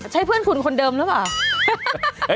ใช้เพื่อนคุณคนเดิมแล้วป่ะ